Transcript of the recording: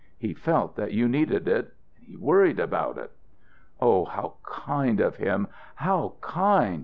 He felt that you needed it; he worried about it." "Oh, how kind of him how kind!"